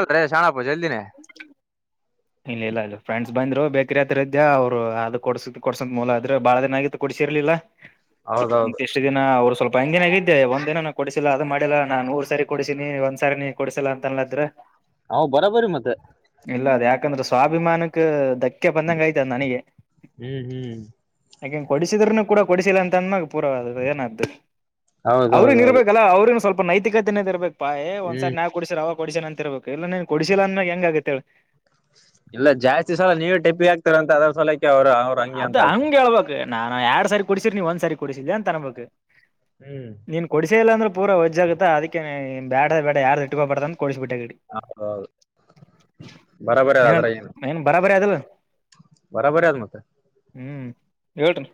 ಇದ್ರೆ ಶಣ ಹಾಪ್ಪ ಜಲ್ದಿನೇ ಇಲ್ಲ ಇಲ್ಲ ಇಲ್ಲ ಫ್ರೆಂಡ್ ಬಂದ್ರು ಬೇಕ್ರ ಹತ್ರ ಇದ್ಯ ಅವ್ರು ಅದು ಕೊಡ್ಸಿದ ಕೊಡ್ಸದ್ ಮೂಲ ಆದ್ರೆ ಬಾಳ ದಿನ ಆಗತ್ತು ಕ ಕೊಡಸಿರ್ಲಿಲ್ಲ [unintelligible] [unintelligible] ದಿನ ಅವರು ಸ್ವಲ್ಪ ಹಂಗಿನ ಆಗಿದ್ದೆ ಒಂದ ದಿನಾನ ಕೊಡಿಸಿಲ್ಲ ಅದು ಮಾಡಿಲ್ಲ ನಾನ್ ಮೂರ್ ಸಾರಿ ಕೊಡಿಸಿನಿ ಒಂದ್ ಸಾರಿ ನೀ ಕೊಡಸಿಲ್ಲ ಅಂತ ಅಲ್ಲಾದ್ರೆ. ಹ ಬರಬರಿೀ ಮತ್ತೆ. ಇಲ್ಲ ಅದ ಯಾಕಂದ್ರೆ ಸ್ವಾಭಿಮಾನಕ್ಕೆ ದಕ್ [unintelligible] ಬಂದಂಗ ಆಯ್ತ ನನಗೆ. ಹ್ಮ್ ಹ್ಮ್ ಹಂಗ ಕೊಡಸಿದ್ನುೂ ಕೂಡ ಕೊಡಿಸಿಲ್ಲ ಅಂತ ಅನ್ಮಾಗ ಪೂರ್ ಅದ್ದು ಏನಾದ್ದು. ಅವ್ರನ್ ಹೌದೌದೌದು ಇರ್ಬೇಕಲ್ಲ ಅವ್ರನು ಸ್ವಲ್ಪ ನೈತಿಕತೆೆಯೇ ಇರ್ಬೇಕು ಪಾಯ್ ಒಂದ್ ಹ್ಮ್ ಸಕ ಕೊಡ್ಸಿರ ಕೊಡಿಸನ ಅಂತರ್ಬೇಕು ಇಲ್ಲ ನೀನ್ ಕೊಡ್ಸಿಲ್ಲ ಅಂದ ಮ್ಯಾಗ ಹೆಂಗ ಆಗುತ್ತೆ ಹೇಳ. ಇಲ್ಲ ಜಾಸ್ತಿ ಸಲ ನೀವೇ ಟಿಪ್ಪಿ ಆಗ್ತರ ಅಂತ ಅದ್ರ ಸಲಕ್ಕೆ ಅವರು. ಅದ್ ಹಂಗ್ ಹೇಳ್ಬಕ್ ನಾನ್ ಎರಡ್ ಸಾರಿ ಕುಡಸರ ನೀವ್ ಒಂದ್ ಸಾರಿ ಕೊಡಿಸಿದ ಅಂತ ಅನ್ಬೇಕು. ಹ್ಮ್. ನೀನು ಕೊಡೀಸೆ ಇಲ್ಲ ಅಂದ್ರ ಪೂರ ವಜ್ಜಾಗುತ್ತ ಅದಕ್ಕೆೇ ಬ್ಯಾಡವೇ ಬೇಡ ಯಾರದ ಇಟ್ಕೊಬಾರತ ಅಂತ ಕೊಡಿಸ್ಬಿಟ್ಟೆಗಡಿ. ಹೌದ ಹೌದು ಬರಬರಿ ಅದ್ರ ಏನಂತ ಏನು. ಏನ್ ಬರಾಬರಿ ಅದಲ್ಲ ಬರಾಬರಿ ಅದ ಮತ್ತ. ಹ್ಮ್ ಹೇಳ್ರಿ.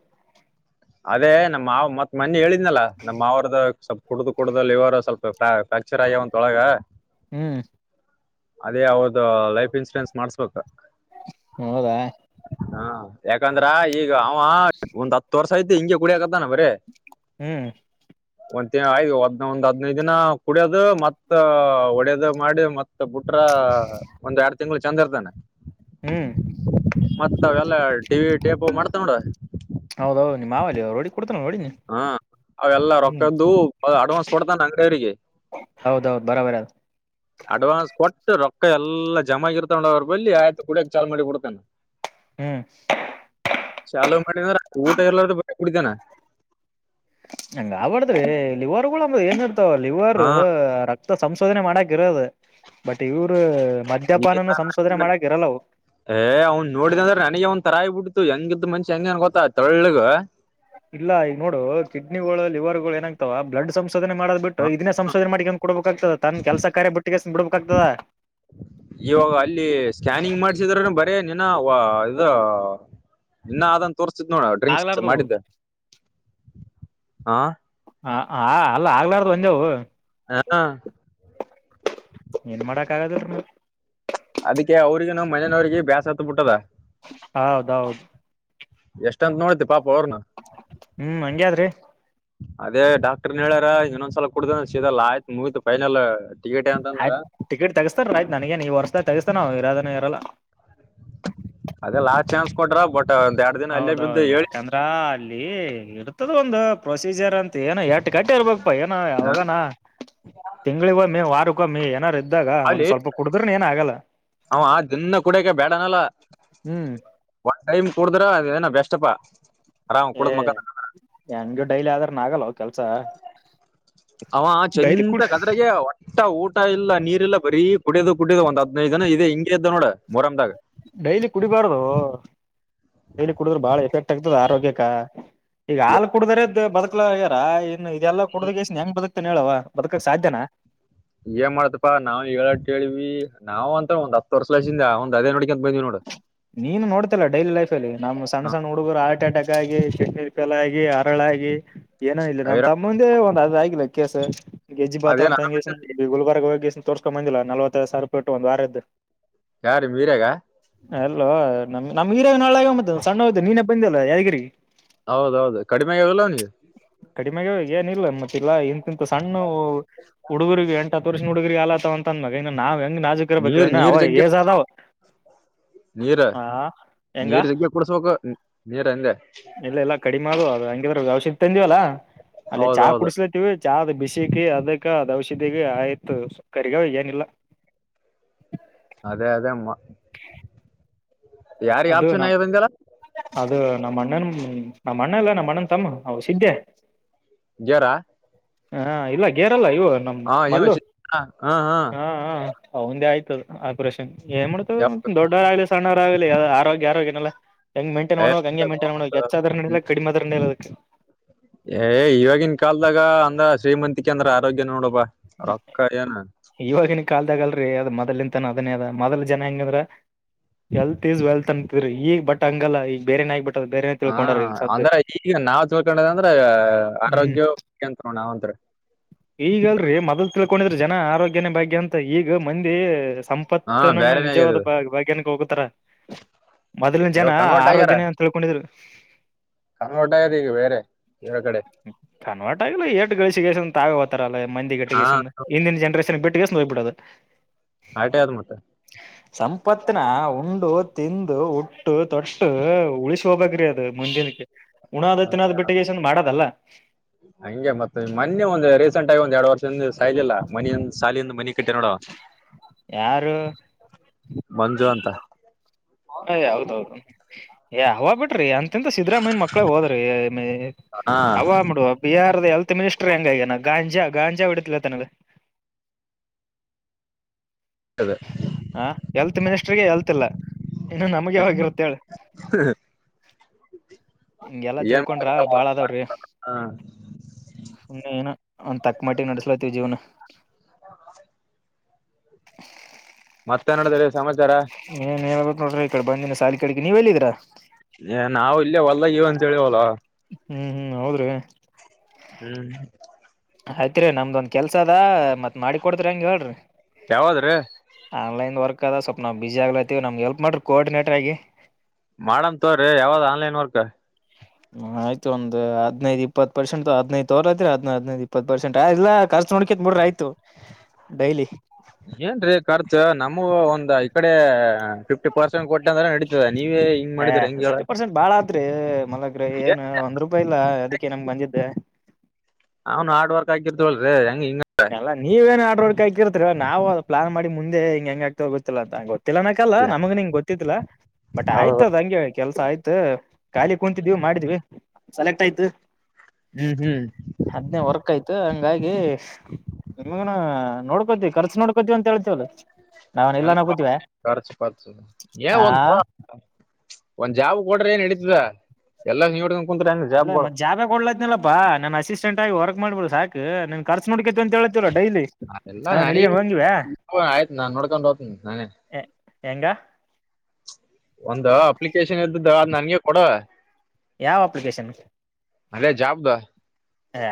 ಅದೇ ನಮ್ಮ್ ಮಾವ ಮತ್ ಮೊನ್ನೆ ಹೇಳಿದ್ನಲ್ಲ ನಮ್ಮ್ವ್ರದ ಸ್ವಲ್ಪ. ಕುಡ್ದು ಕುಡ್ದು ಲಿವರ್ ಸ್ವಲ್ಪ ಪ್ಯಾ ಫ್ರಾಕ್ಚರ್ ಆಗ್ಯಾವಂತ ಒಳಗ. ಹ್ಮ್. ಅದೇ ಅವರ್ದ ಲೈಫ್ ಇನ್ಸೂರೆನ್ಸ್ ಮಾಡ್ಸ್ಬೇಕ. ಹೌದಾ. ಹಾ ಯಾಕಂದ್ರ ಈಗ ಅವ ಒಂದ್ ಹತ್ತು ವರ್ಷ ಐತಿ ಹಿಂಗಗೆ ಕುಡಿಯಕತ್ತಾನ ಬರೀ. ಹ್ಮ್. [inaudible] ಒಂದ ತಿಂಗಳ್ ಆಗಿ ಒದ್ ಒಂದ್ ಹದ್ನೈದು ದಿನ ಕುಡಿಯೋದು ಮತ್ತ ಒಡ್ಯದ ಮಾಡಿ ಮತ್ ಮತ್ತ ಬುಟ್ರ ಒಂದ್ ಎರಡು ತಿಂಗಳ ಚೆಂದ ಇರ್ತಾನ. ಹ್ಮ್. ಮತ್ತ ಅವೆಲ್ಲ ಟಿ ವಿ ಟೇಪ್ ಮಾಡ್ತಾ ನೋಡ. ಹೌದೌ ನೀಮ್ಮ ಮಾವ ಅಲ್ಲಿ ರೋಡಿಗ ಕುರ್ತಾನ ನೋಡಿನಿ. ಹಾ ಅವೆಲ್ಲ ಹ್ಮ್ ರೊಕ್ಕದ್ದು ಅಡ್ವಾನ್ಸ್ ಕೊಡ್ತಾನ ಅಂಗಡಿಯವರಿಗೆ. ಹೌದೌದ ಬರೋಬರ ಅದ. ಅಡ್ವಾನ್ಸ್ ಕೊಟ್ಟು ರೊಕ್ಕ ಎಲ್ಲಾ ಜಮಾ ಆಗಿರ್ತಾವ ಅವ್ರ ಬಲ್ಲಿ ಆಯ್ತು ಕುಡಿಯಕ ಚಾಲ್ ಮಾಡಿ ಬಿಡ್ತಾನ. ಹ್ಮ್. ಚಾಲೋ ಮಾಡಿದ್ರ ಊಟ ಇರಲಾರದ ಬಿಟ್ಟ ಕುಡಿತಾನ. ಹಂಗ ಆಗ್ಬಡ್ದ್ರಿ ಲಿವರ್ಗಳ ಅಂದ್ರ ಏನ್ಡ್ತಾವ ಲಿವರ್ ಹಾ ರಕ ಸಂಶೋಧನೆ ಮಾಡಕ ಇರದ ಬಟ್ ಇವರು ಈ ಮದ್ಯಪಾನನು ಸಂಶೋಧನೆ ತರ ಮಾಡಕ ಇರಲ್ಲವು. ಏ ಅವ್ನ್ ನೋಡಿದ ಅಂದ್ರೆ ನನಗ ಅವ್ನ್ ತರಾ ಆಗಿ ಬಿಡ್ತು ಹೆಂಗಿದ್ ಮನ್ಷಿ ಹೆಂಗೆ ಅನ್ ಗೊತ್ತಾ ತೆಳ್ಗ್. ಇಲ್ಲ ಈಗ ನೋಡು ಕಿಡ್ನಿಗಳು ಲಿವರ್ಗಳು ಏನಾಗ್ತಾವವೆ ಬ್ಲಡ್ ಸಂಶೋಧನೆ ಮಾಡದ್ ಬಿಟ್ಟು ಇದೇ ಸಂಶೋಧನೆ ಮಾಡಿಕನ್ ಕೊಡ್ಬೇಕಾಗತದ ತನ್ ಕೆಲಸ ಕಾರ್ಯ ಬಿಟ್ಟಿಗೆ ಬಿಡ್ಬೇಕಾಗ್ತದ. ಇವಾಗ ಅಲ್ಲಿ ಸ್ಕ್ಯಾನಿಂಗ್ ಮಾಡ್ಸಿದ್ರನು ಬರೀ ನಿನ ಅವ ಇದು. ಇನ್ನ ಅದನ್ ತೋರ್ತಿದ ನೋಡ ಡ್ರಿಂಕ್ಸ್ ಆಗ್ಲಾರ್ದು ಮಾಡಿದ್ದೆ ಹಾ. ಹ ಆ ಅಲ್ಲ ಆಗ್ಲಾರ್ದು ಒಂದೆವು. ಹಾ. ಏನ್ ಮಾಡಕ್ಗದ್ರ ನೀ. ಅದಕ್ಕೆ ಅವ್ರಿಗೆ ನಾವು ಮನೇನವ್ರರಿಗೆ ಬ್ಯಾಸ ಹೊತ್ತ್ ಬಿಟ್ಟರ. ಹೌದೌದ. ಎಷ್ಟ ಅಂತ ನೋಡತಿ ಪಪ ಅವ್ರನ್ನ ಹ್ಮ್ ಹಂಗ್ಯಾದ್ರಿ ಅದೇ ಡಾಕ್ಟರ್ನ್ ಹೇಳ್ಯಾರ ಇನ್ನೊಂದ್ಸಲ ಕುಡುದ ಸದಲ್ಲ ಆಯ್ತು ಮೂವತ್ ಫೈನಲ್ ಟಿಕೇಟೆ ಅಂತಂದ್ರ ಆಯ್ತ್ ಟಿಕೆಟ್ ತಗಸ್ತಾನ ರಯತ ನನಗೇನು ಈ ವರ್ಷ ದಾಗ ತಗಸ್ತಾನ ನವು ಇರದನ ಇರಲ್ಲ ಅದೆ ಲಾಸ್ ಚಾನ್ಸ್ ಕೊಟ್ರ ಬಟ್ ಒಂದ ಎರಡ್ ದಿನ ಅಲ್ಲೇ ಬಿದ್ದು ಹೌದೌದು ಹೇಳಿ ಯಾಕಂದ್ರ ಅಲ್ಲಿ ಇಡ್ತದ ಒಂದು ಪ್ರೊಸೀಜರ್ ಅಂತ ಏನ ಕಟ್ಟಿ ಇರ್ಬೇಕಕ್ ಪಾ ಏನೋ ಯಾವಾಗಾನ ತಿಂಗಳಿಗೊಮ್ಮೆ ವಾರಕ್ಕೊಮ್ಮೆ ಏನಾರ ಇದ್ದಾಗ ಒಂದ್ ಅಲ್ಲಿ ಸ್ವಲ್ಪ ಕುಡಿದ್ರ ಏನ್ ಆಗಲ್ಲ ಅವ ಆ ದನ್ನ ಕುಡಕ ಬೇಡನಲ್ಲ ಹ್ಮ್ ಒನ್ ಟೈಮ್ ಕುಡಿದ್ರ ಅದುನ ಬೆಸ್ಟಪಾ ಆರಾಮ್ ಏ ಕುಡಿದು ಮಲ್ಕಂತಾವ ಹೆಂಗ ಡೈಲಿ ಆದ್ರನು ಆಗಲ್ಲ ಕೆಲ್ಸ ಅವ ಡೈಲಿ ಚಂತ ಕುಡಿ ಕದ್ರಗೆ ಒ ಇ ಊಟ ಇಲ್ಲ ನೀರ್ಲ್ಲ ಬರೀ ಕುಡೋ ಕುಡ್ಯೋ ಒಂದ್ ಹ ಹದಿನೈದು ದಿನ ಇದೆ ಹಿಂಗಗೆ ಇದ್ದ ನೋಡ ಮೊಹರಂಮ್ದಾಗ ಡೈಲಿ ಕುಡಿಬಾರ್ದು ಡೈಲಿ ಕುಡಿದ್ರೆ ಬಾಳ ಎಫೆಕ್ಟ್ ಆಗ್ತದ ಆರೋಗ್ಯಕ್ಕ ಈಗ ಹಾಲ್ ಕುಡ್ದ್ರದ ಬದುಕಲಗ್ಯಾರ ಇನ್ ಇದೆಲ್ಲ ಕುಡ್ದ ಹೆಂಗ ಬದಕ್ತನ್ ಹೇಳುವ ಬದುಕಕ್ ಸಾಧ್ಯನ ಏನ್ ಮಾಡತಪ್ಪ ನಾವು ಈಗ ಕ ಹೇಳಿವವಿ ನಾವವು ಅಂತ ಒಂದ್ ಹತ್ತು ವರ್ಷ ಲಸಂದ ಅದೇ ನಡಿಕಕ ಅಂತ ಬಂದ್ವಿ ನೋಡು ನೀನು ನೋಡ್ತಿಲ್ಲ ಡೈಲಿ ಲೈಫಲ್ಲಿ ನಮ್ಮ್ ಸಣ್ಣ ಸಣ್ಣ ಹುಡುಗರು ಹಾರ್ ಅಟ್ಯಾಕ್ ಆಗಿ ಚಿನಿ ಫೇಲ್ ಆಗಿ ಹಳಾಗಿಿ ಏನ ಇಲ್ಲ ನಮ್ ಐರಾ ತಮ್ಮಂದೆ ಒಂದ ಅದ್ ಆಗಿಲ್ಲ ಕೇಸ ಗೆಜ್ಜಿ ಭಾತ ಒ ಅದೇನ್ ತಂಗ ಈ ಗುಬರ್ಗ ಹೋಗಿ ತರ್ಕೊ ಬಂದಿಲ್ಲ ನವೈದುಾವ ಸಿ ರಪಿಟ್ಟ ಒಂದು ವಾರದು. ಯಾರು ಮೀರಾಗ ಅಲ್ಲೋ ನಮ ನಮ್ರಾಗ ನಾಳಗ ಮ ಸಣ್ಣ ಇದ್ದಾಗ ನೀನೇ ಬಂದಿಲ್ಲಲ್ಲ ಯಾದಗಿರಿಗೆ ಹೌದೌದು ಕಡಿಮೆ ಆಗಲ್ಲವ ನೀವು ಕಡಿಮಾಗ ಏನ ಇಲ್ಲ ಮತ್ತೆಲ್ಲಾ ಇಂತಿಂತ ಸಣ್ಣವು ಹುಡುಗ್ರರಿಗೆ ಎಂಟ ಹತ್ ವರ್ಷದ ಹುಡುಗ ಹುಡುಗರಿಗೆಲ್ಲ ತಗೊಂತಾನ ಇನ್ ನಾವ್ ಹೆಂಗ ನಾಜಕರ ಇರ್ಬೇಕ್ ಹೇಳ ಅವ ಏಜ್ ಆದವ ನೀರ ಹೆಂಗ ನೀರ್ ಜಗ್ಗೆ ಕುಡ್ಸ್ಬೇಕು ನೀರ ಎಂದೆ ಇಲ್ಲ ಎಲ್ಲ ಕಡಿಮೆ ಆದದು ಅದು ಹಂಗಿದ್ರ ಔಷಧಿ ತಂದಿವವಲ್ಲಾ ಅಲ್ಲಿ ಚಾ ಹೌದೌದು ಕುಡಿಸಲಾಕತ್ತೀವಿ ಚಹಾ ಬಿಸಿಕ ಅದಕ್ಕ ಅದ್ ಔಷಧಿಗ ಆಯ್ತು ಕರಿಗಾವ ಏನಿಲ್ಲ ಅದೇ ಅದೇ ಯಾರಿ ಅದು ಆಪ್ಷನ್ ನಮ್ ಆಗಿ ಬಂದಲ್ಲ ಅದು ನಮ್ಮ ಅಣ್ಣನ್ ನಮ್ಮ್ ಅಣ್ಣ ಎಲ್ಲಾ ನಮ್ಮ ಅಣ್ಣನ್ ತಮ್ಮ ಸಿದ್ದೇ ಜ್ವರ ಹಾ ಇಲ್ಲ ಗೇರೆಲ್ಲ ಇವು ನಮ್ಮ ಹಾ ಇವ ಮಲ್ಲು ಶಿ- ಹಾ ಹಾ ಅವಂದೇ ಆಯ್ತದ ಆಪರೇಷನ್ ಏನ್ ಮಾಡ್ತದ ಯಾವ- ದೊಡ್ಡವರ ಆಗ್ಲಿ ಸಣ್ಣವರ ಆಗ್ಲಿ ಆರೋಗ್ಯ ಆರೋಗ್ಯನಲ್ಲ ಹೆಂ ಮೇನ್ಟೇನ್ ಏ, ಮಾಡಬೇಕು ಹಂಗ ಮೈನ್ಟೈನ್ ಮಾಡ್ಬೇಕಾ ಹೆಚ್ಚ ಅದ್ರ ನಡಿಯಲ್ಲ ಹ್ಮ್. ಕಡಿಮ ಅದ್ರೆ ನಡಿಯಲ್ಲ ಏ ಇವಾಗಿನ್ ಕಾಲ್ದಾಗ ಅಂದ್ರ ಶ್ರೀಮಂತಿಕ ಅಂದ್ರ ಆರೋಗ್ಯ ನೋಡಬ ರೊಕ್ಕ ಏನ ಇವಾಗನ್ ಕಾಲ್ದಾಗ ಅಲ್ರರಿ ಅದ ಮೊದಲಲಿಂತಾನ ಅದೇ ಅದ ಮೊದಲ್ ಜನ ಹೆಂಗ ಅಂದ್ರ ಎಲ್ತ್ ಈಸ್ ವೆಲ್ತ್ ಅಂತಿದ್ರರಿ ಈಗ ಬಟ್ ಹಂಗಲ್ಲ ಈಗ ಬೇರೆನ ಆಗ್ಬಿಟದೆ ಹ ಅಂದ್ರೆ ಈಗ ನಾವ್ ಚೋಳ್ಕೊಂಡದ ಅಂದ್ರ ಆರೋಗ್ಯಂ ನಾವತ [inaudible] ಈಗಲ್ರರಿ ಮೊದಲ್ಲು ತಿಳ್ಕೊಂಡಿದ್ರ ಜನ ಆರೋಗ್ಯನ ಭಾಗ್ಯ ಬಗ್ಗೆ ಅಂತ ಈಗ ಮಂದಿ ಸಂ ಹಾ ಇಪ್ಪತ್ತನ ಬ್ಯಾರೆನೇ ಆಗ್ಯದ ನಿಜವಾದ ಇದು. ಬಾಗ್ಯನಕ್ಕೆ ಹೋಗುತ್ತಾರ ಮೊದ್ಲಿನ ಜನ ಇವಾಗ ಕನ್ವರ್ಟ್ ಆರೋಗ್ಯನೇ ತಿಳ್ಕೊಂಡಿದ್ರು ಕಂಗೋಟ ಆದ ಈಗ ಬೇರೆ ಎಲ್ಲಾ ಕಡೆ ಕನ್ವರ್ಟ್ ಆಗ್ಲಿ ಏಷ್ಟು ಗಳಸಿಗೆ ತಾವೇ ಹತಾರ ಅಲ್ಲ ಮಂದಿಗೆ ಹಾ ಎಟ್ಟಿಗೆ ಇಂದಿನ ಜನ್ರೇಷನ್ ಬಿಟ್ಟು [unintelligible] ಬಿಡೋದು ಆಟಿ ಆದ್ ಮತ್ತೆ ಸಂಪತ್ನಾ ಉಂಡು ತಿಂದು ತೊಟ್ಟು ಉಳಿಸಿ ಹೋಗ್ಬೇಕ್ರಿ ಅದು ಮುಂದಿನಕ್ಕೆ ಉಣಾದ ತಿನ್ನದ ಬಿಟ್ಟಿ ಶೋಕಿ ಮಾಡದಲ್ಲ ಹಂಗೆ ಮತ್ತ ಮೊನ್ನೆ ಒಂದು ರೀಸೆಂಟ್ ಆಗಿ ಒಂದ್ ಎರಡ್ ವರ್ಷದಿಂದ ಸಾಯಜಿಲ್ಲ ಮನ ಸಾಲಿಯಿಂದ ಮನೆಗೆ ನೋಡು ಯಾರು ಮಂಜು ಅಂತ ಹೇ ಹೌಹೌದು ಹೇ ಅವ ಬಿಡ್ರಿ ಅಂತ ಅತ್ಯಂತ ಸಿದ್ದರಾಮಯ್ಯ ಮಕ್ಕಳ ಹೋದ್ರಿ ಹಾ ಅವ ಬಿಡು ಬಿಹಾರದ ಹೆಲ್ತ್ ಮಿನಿಸ್ಟರ್ ಹೆಂಗ ಹಾಗೇನೇ ಗಂಜಾ ಗಂಜಾ ಹೊಡಿತನಲ್ಲ [unintelligible] ಹ ಎಲ್ತ್ ಮಿನಿಸ್ಟರ್ ಗೆ ಹೆಲ್ತ್ ಇಲ್ಲಾ [inaudible] ಹಂಗೆಲ್ಲಾ ತಿಳ್ಕೊಂಡ್ರ ಬಾಳ ಅದಾವ್ರಿ ಹಾ ಸುಮ್ಮೆ ಏನೋ ಒಂದ್ ತಕ್ಕ ಮಟ್ಟಿಗೆ ನೆಡಿಸಲಾಲೈತೆ ಜೀವನ ಮತ್ತೆ ಏನ್ ನೆಡದೈಡಿ ಸಮಾಚಾರ ಹೇಳ್ಬೇಕ್ರಿ ನೋಡ್ರಿ ಈ ಕಡೆ ಬಂದಿನ ಸಾಲಿ ಕಡೆ ನೀವ್ ಎಲ್ಲಿದಿರ ಏ ನಾವು ಇಲ್ಲೇ ಹೊಲ್ಲದಾಗ ಇವಿ ಅಂತ ಹೇಳಿವಲ್ಲೊ ಹ್ಮ್ ಹ್ಮ್ ಹೌದ್ರಿ ಹ್ಮ್ ಆಯ್ತ್ರಿ ನಮ್ದೊಂದ್ ಕೆಲ್ಸ ಅದ ಮತ್ ಮಾಡಿಕೊಡೀತೀರಾ ಹೆಂಗ್ ಹೇಳ್ರಿ ಯಾವಾದ್ರೀ ಆನ್ಲೈನ್ ವರ್ಕ್ ಆದ ಸ್ವಲ್ಪ್ ನಾವು ಬಿಜಿ ಆಗ್ಲೈಐತಿ ನಮ್ಗೆ ಹೆಲ್ಪ್ ಮಾಡ್ರಿ ಕೊರ್ಡಿನೇಟರ್ ಆಗಿ ಮಾಡನ್ ತಗೋರಿ ಯಾವ್ದ್ ಆನ್ಲೈನ್ ವರ್ಕ್ ಹ ಆಯ್ತ ಒಂದು ಹದಿನೈದು ಇಪ್ಪತ್ ಪರ್ಸೆಂಟ್ ಹದಿನೈದು ತೋರತಿ ಹದೈದು ಇಪ್ಪತ್ ಪರ್ಸೆಂಟ್ ಇಲ್ಲ ನೋಡ್ಕೋತೀನಿ ಬಿಡ್ರಿ ಆಯ್ತು ಡೈಲಿ ಏನ್ರೀ ಖರ್ಚು ನಮೂ ಒಂದ್ ಈ ಕಡೆ ಫಿಫ್ಟಿ ಪರ್ಸೆಂಟ್ ಕೊಟ್ಟ ಅಂದ್ರೆ ನೆಡಿ ಹ ನೀವೇ ಹಿಂಗ್ ಹ ಮಾಡಿದ್ರೆ ಹೆಂಗ್ ಹೇಳ ಫಿಫ್ಟಿ ಪರ್ಸೆಂಟ್ ಬಾಳ ಆತ್ರಿ ಮಲಗ್ರ ಏನ್ ಒಂದ್ ರೂಪಾಯಿ ಇಲ್ಲ ಅದಕ್ಕೆ ನಿನಗೆ ಬಂದಿದ್ದು ಅವ್ನ್ ಹಾರ್ಡ್ ವರ್ಕ್ ಆಗಿರ್ತವಲ್ರಿ ಹೆಂಗ ಹಿಂಗ ಎಲ್ಲ ನೀವೇನ್ ಆಡ್ರೋಡ್ಕ ಹಕಿರ್ತ್ರಿ ನವು ಪ್ಲಾನ್ ಮಾಡಿ ಮುಂದೆ ಹೆಂಗಗೆ ಆಗ್ತ ಗೊತ್ತಿಲ್ಲ ಅ ಗೊತ್ತಿಲ್ಲ ನಮಗೆ ಗೊತ್ತಿದಿಲ್ಲ ಬಟ್ ಆಯ್ತ ಹೌದು ಅದ್ ಹಂಗೆ ಕೆಲ್ಸ ಆಯ್ತು ಖಾಲಿ ಕುೂಂತಿದೀವಿ ಮಾಡಿದ್ವಿ ಸೆಲೆಕ್ಟ್ ಆಯ್ತು ಹ್ಮ್ ಹ್ಮ್ ಅದ್ನೇ ವರ್ಕ್ ಆಯ್ತು ಹಂಗಾಗಿ ನಿಮಗ ನೋಡ್ಕೋತಿವಿಖರ್ಚು ನೋಡ್ಕೋತಿವಿ ಅಂತ ಹೇಳತಿವಲ್ಲ ಖರ್ಚು ಪರ್ಚು ಏನೋ ಆ ಒಂದು ಒಂದ್ ಜಾಬ್ ಕೊಡ್ರಿ ನೆಡಿತಾದ ಎಲ್ಲಾ ನೀವೇ ಇಟ್ಕೊಂಡು ಕುಂತ್ರೆ ಹೆಂಗೆ ಜಾಬ್ಗಳು ಜಾಬ್ನೆ ಕೊಡತೀನಾಳಪ್ಪ ನನ್ ಅಸಿಸ್ಟೆಂಟ್ ಆಗಿ ವರ್ಕ್ ಮಾಡಬಿಡು ಸಾಕು ನಿನ್ನ ಖರ್ಚು ನೋಡ್ಕೋತೀನಿ ಅಂತ ಹೇಳತಿಲ್ವಾ ಡೈಲಿ ಅದೆಲ್ಲ ನಾವ್ ಎಲ್ಲಿಗೆ ಹೋಗಿವ ನನ ಆಯ್ತ ನಾನ್ ನೋಡ್ಕೊಂಡ್ ಹೋಗ್ತೀನೀ ನಾನೇ ಹೆಂಗ ಒಂದು ಅಪ್ಲಿಕೇಶನ್ ಇರ್ತಾದ್ದ ಆದ್ನಾ ನನ್ಗೆ ಕೊಡು ಯಾವ ಅಪ್ಲಿಕೇಶನ್ ಅದೇ ಜಾಬ್ದು ಏ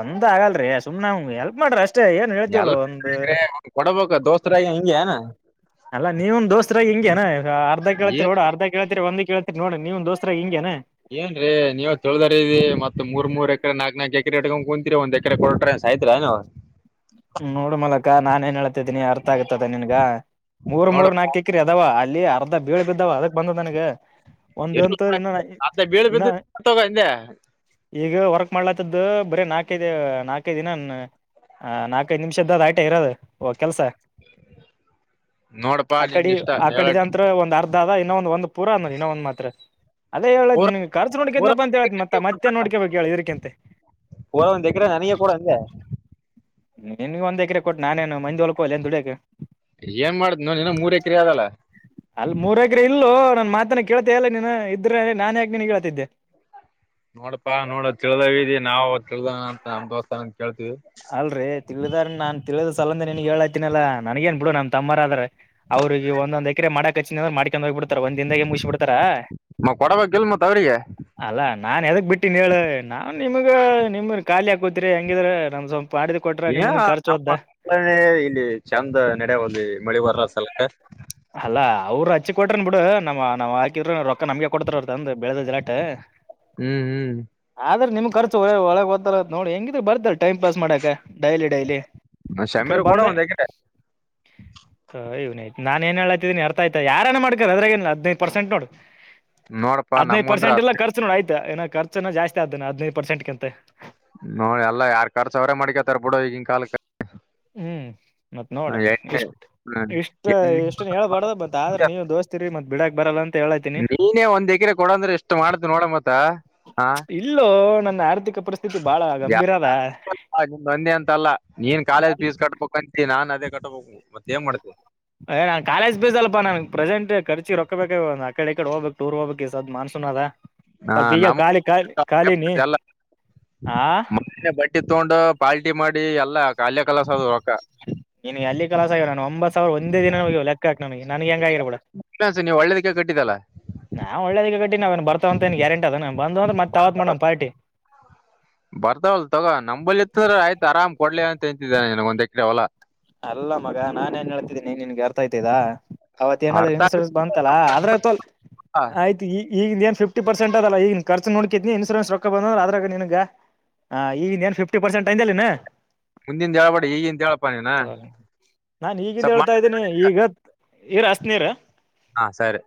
ಒಂದ್ ಆಗಲ್ರಿ ಸುಮ್ನೆಗೆ ಹೆಲ್ಪ್ ಮಾಡ್ರಿ ಅಷ್ಟ ಎಲ್ ಕೊಡಬೇಕ ದೋಸ್ರಾಗಿ ಹಿಂಗಗೆ ಅಲ್ಲ ನೀವ ಒಂದ ದೋಸ್ತರಾಗ ಹಿಂಗೆಏ ಅರ್ಧ ಕೇಳ್ತಿರಿ ಏನ್ ನೋಡು ಅರ್ಧ ಕೇಳ್ತಿರಿ ಒಂದ ಕೇಳ್ತಿರಿ ನೋಡಣ ನೀವ್ ದೋಸ್ತ್ರಾಗ ಹಿಂಗೇನೆ ಏನ್ ರೀ ನೀವ ತಳ್ದದ ರೀ ಮತ್ ಮೂರ್ ಮೂರು ಎಕರೆ ನಾಕಕ್ ನಾಕಕ್ ಎಕರೆ ಇಟ್ಕೊಂಡ್ ಕುಂತೀರಿ ಒಂದ್ ರೆ ಕೊಟ್ರ ಸಾಯತೀರ ಏನವು ನೋಡ್ ಮಲಕ ನಾನನ್ಏನ್ ಹೇಳ್ತಿದೀನಿ ಅರ್ಥ ಆಗತದ ನಿನ್ಗ ಮೂರ್ ಮೂರ್ ನೋಡಪ್ಪ ನಾಲ್ಕಿ ಬಕ್ಕ್ರರಿ ಅದಾವ ಅಲ್ಲಿ ಅರ್ಧ ಬೀಳ ಬಿದ್ದಾವ ಅದಕ್ ಬಂದ ನನಗೆ ಎ ಅ ಬೀಳ ಇನ್ನ ಬಿದ್ದ ತ ಹಿಂದೆ ಈಗ ವರ್ಕ್ ಮಾಡ್ಲಾತ್ತದ್ದ ಬರೀ ನಾಲ್ಕೈದು ನಾಲ್ಕೈ ದಿನ ನಾ ನಾಕ್ಕೆದು ನಿಮಿಷದ್ದ ರೈಟ ಇರೋದುಓ ಕೆಲ್ಸ ನೋಡಪ್ಪ ಆ ಕಡೆ ನಿನ್ ಇಷ್ಟ ಆ ಕಡೆದ ಹೇಳಟ್ಟ ಅಂತತ್ರ ಒಂದ್ ಅರ್ಧ ಅದ ಇನ್ನೊ ಒಂದ್ ಒಂದ್ ಪೂರ ಅಂದ್ರ ಇನ್ನೊ ಒಂದ್ ಮಾತ್ರ ಅದೇ ಹೇಳೇತ್ ಪೂರ ನಿನ್ ಖರ್ಚ ನೋಡಕೇತ್ನಪ್ಪ ಪೂರ ಅ ಹೇಳೇತ್ತ್ತ ಮತ್ತೆ ನೋಡ್ಕಬೇಕಕ್ ಹೇಳಿ ಇದ್ರಕಂತೆ ಹೇಕ್ರೆ ನನಗೆಗೂಡ ನಿನ್ಗ ಒಂದ್ ಎಕರೆ ಕೊಟ್ಟು ನಾನೇಏನು ಮೈಂದ ಒಲ್ಕ ಅ ಎಏ ದುಡಿಯಕ್ಕೆ ಏನ್ ಮಾಡ್ದ್ ನೋನ ಮೂರ್ ಎಕರೆ ಆದದಲ್ಲ ಅಲ್ ಮೂರಗ್ರೆ ಇಲ್ಲು ನನ್ ಮಾತನ ಕೇಳ್ತ ಎಲ್ಲ ನೀ ಇದ್ರ ನಾನನ್ ಯಾಕೆ ನೀನ್ ಕೇಳ್ತಿದ್ದೆ ನೋಡಪಾ ನೋಡ ತಿಳ್ದಾವ ಇದಿ ನಾವವು ತಿಳ್ದ ಅಂತ ನಮ್ ದೋಸ್ತ ಕೇಳ್ತೀವಿ ಅಲ್ರರಿ ತಿಳಿದ ನನ್ ತಿಳಿದ್ ಸಲಂದೆ ನಿನ್ಗ್ ಹೇಳಾತಿನನಲ್ಲಾ ನನಗೇನ್ ಬಿಡು ನಮ್ ತಮ್ಮರ ಅ್ರ ಅವ್ರಿಗೆ ಒಂದೊಂದ ಎಕರೆ ಮಾಡಕ್ಚ್ಚಿನ್ರರು ಮಾಡ್ಕೊಂಡು ಹೋಗ್ಬಿಡ್ತಾರ ಒಂದ್ನದಾಗೆ ಮುಗಬ ಬಿಡ್ತಾರ ಮ ಕೊಡಬೇಕಿಲ್ ಮತ್ ಅವ್ರಿಗೆ ಅಲ್ಲಾ ನಾನ್ ಎದಕ್ ಬಿಟ್ಟೀನ್ ಹೇಳ ನಾವನ್ ನಿಮಗ ನಿಮ ಖಾಲಿ ಹಾಕೋತಿರಿ ಹೆಂಗಿದ್ರ [unintelligible] ಈಗ ನಮ್ಮ ಇಲ್ಲಿ ಚೆಂದ ನಡೆ ಹದಿ ಮಳಿ ಬರ ಸಲಕ ಅಲ್ಲ ಅವ್ರರು ಹಚ್ಚಿ ಕೊಟ್ರನ್ ಬಿಡು ನಮ್ಮ್ ನಾವ್ ಹಾಕಿದ್ರ ರೊಕ್ಕ ನಮಗೆ ಕೊಡ್ತಾರರ್ ಅಂದ್ ಬೆಳೆದ ಜಲಾಟ್ ಹ್ಮ್ ಹ್ಮ್ ಆದ್ರೆ ನಿಮ್ ಖರ್ಚು ಒಳಗ್ ದ್ದ ನೋಡಿ ಹೆಂಗಿದ್ರ ಬರ್ತ ಟೈಮ್ ಪಾಸ್ ಮಾಡಾಕ ಡೈಲಿ ಡೈಲಿ ಇಕಡೆ ಶಮೀರ್ ಕೂಡ ಬಂದ ಒಂದ್ [inaudible] ಹವನಯ್ ನಾನ್ ನ್ ಹೇಳಾತೀ ಅರ್ಥ ಆಯ್ತ ಯಾರನ ಮಾಡಕಾರೆ ಅದ್ರ ಏ ಹದಿನೈದು ಪಸಂಟ್ ನೋಡು ನೋಡಪಾ ಹದ ನೈದು ನಮ್ಗಂದ್ರ ಪರ್ಸೆಂಟ್ ಅದ್ ಎಲ್ಲರ ನೋಡ ಆ್ತಏ ರ್ಚನ ಜಸ್ತಿ ಆದೇೆ ಹದ ನೈದು ಪರ್ಸೆಂಟ್ ಕಿಂತ ನೋಡಿ ಎಲ್ಲ ಯಾರ್ ಕಾರ್ಸ ಅವ್ರೇ ಮಾಡ್ಕತ ಬಿಡು ಈಗಿನ ಕಾಲಕ್ಕೆ ಹ್ಮ್ ಮತ್ ನೋಡ ಇಷ್ಟ ಹ್ಮ್ ಇಷ್ಟ ಎಣ್ಣೆ ಎಷ್ಟನ್ ಹೇಳಬಾರ್ದ ಬರ್ ಆದ್ರ ನೀವು ದೋಸ್ತತಿರಿ ಮತ್ ಬಿಡಕ್ ಬರಲ್ಲ ಅಂತ ಹೇಳಾತಿನಿ ನೀನೇ ಒಂದ್ ಎಕ್ರೆ ಕೊಡ ಅಂದ್ರೆ ಎಷ್ಟ್ ಮಾಡ್ತು ನೋಡ ಮತ್ತ ಹಾ ಇಲ್ಲೋ ನನ್ನ ಆರ್ಥಿಕ ಪರಿಸ್ಥಿತಿ ಬಾಳ ಗಂಭೀರ ಅದ ಆ ನಿಮ್ ಒಂದೆ ಅಂತಲ್ಲ ನೀನ್ ಕಾಲೇಜ್ ಫೀಸ್ ಕಟ್ಬೇಕ ಅಂತಿ ನಾನ್ ಅದೇ ಕಟ್ಬೇಕು ಮತ್ತತ್ ಏನ್ ಮಾಡ್ತ ಏ ನಾನ್ ಕಾಲೇಜ್ ಬಸಲ್ ನನ್ಗೆ ಪ್ರಸೆಂಟ್ ರ್ಚಿ ರೊಬೇಕ ಒಂದು ಕಡೆ ಹೋಗಬೇಕುಟೂರ್ ಹೋಗ್ಬೇಕು [unintelligible] ಇಗ ಸಧ ಮಾನ್ಸೂನ ಆದದ ಹಾ ಪಈಗ ನಮ್ ಖಾಲಿ ಖಾಲಿ ಖಾಲಿನಿ ಆ ಟ್ಟಿ ತೊಂಡ್ ಪಾಲ್ಟಿ ಮಾಡಿ ಎಲ್ಲಾ ಕ್ಯ ಕಲಸ ಅದ ರೊಕ್ಕ ನಿನಗೆ ಅಲ್ಲಿ ಕೆಲಸ ಆಗರ ನು ಒಂಬತ್ ಸಾವಿರ ಒಂದ ದಿನ ನ ಲೆಕ್ಕಾಕ್ ನನಗೆ ನನ್ಗೆ ಹೆಂಗಾಗಿರರು ಕೂಡ ಇನ್ಸ ನೀವು ಒಳ್ಳೇದಕ್ಕೆ ಕಟ್ಟಿದ್ದಲ್ಲಾ ನಾ ಒಳ್ಳೇದ ಈಗ ಗಟ್ಟ ನಾವ ನ್ ಬರ್ತವಂತಏನ್ ಗ್ಯಂಟ ಅದ ನ ಬಂದ್ರತ್ತ್ತ ತಾವತ್ ಮಾಡೋವ ಪಾರಿ ಬರ್ತಾವಲ್ಲ ತಗೋ ನಂಬಲ್ಲಿತ್ ಆದ್ರ ಆರಾಮ್ ಕೊಡ್ಲಿ ಅಂತ ಅಂತಿದನೆ ನನ್ಗ ಒಂದೆಕಡೆ ಅವಲ್ಲಾ ಅಲ್ಲ ಮಗ ನಾನೇಏನ್ ಹೇಳ್ತಿದ್ದೀನಿ ನಿನ್ಗೆ ಅರ್ಥ ಆಯತಿದಾ ಅವತ್ ಏನಾದ್ ಅರ್ಥ ಇನ್ಸೂರೆನ್ಸ್ ಬಂತಲ್ಲಾ ಅದ್ರ ತಲ್ ಆಗ್ಲಿಲ್ಲ ಆಯ್ತ ಈಗ ಏ ಫ್ಟಿ ಪರ್ಸೆಂಟ್ ಅಲ್ಲ ಈಗ ಖರ್ಚ ನೋಡಕಿದಿನನ ಇನ್ಸೂರೆನ್ಸ್ ರೊ ಬಂದ್ರ ಅದ್ರ ನ ನಿನ್ಗ ಹಾ ಈಗ ಫ್ಟಿ ಪರ್ಸೆಂಟಯಂದಲಾ ಮುಂದಿನ ಹೇಳ್ಬಡಿ ಈಗಿಂದಂತೇಳ್ ನಾನ್ ಈಗಿಂದ ಹೇಳ್ತಾ ಮಾಡ ಇದ್ದೇನಿ ಈಗ ಇರ ಹತ್ನೀರ ಹಾ ಸರಿ